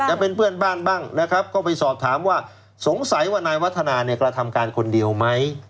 จะเป็นเพื่อนบ้านบ้างนะครับก็ไปสอบถามว่าสงสัยว่านายวัฒนาเนี่ยกระทำการคนเดียวไหม